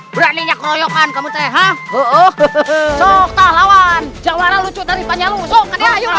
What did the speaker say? berani nyakroyokan kamu teh ha ha ha soktah lawan jawara lucu dari banyak